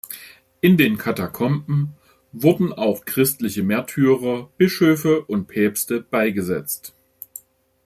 In den Katakomben wurden auch christliche Märtyrer, Bischöfe und Päpste beigesetzt.